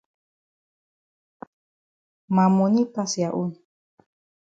Ma moni pass ya own.